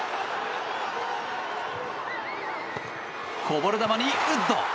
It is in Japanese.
こぼれ球にウッド。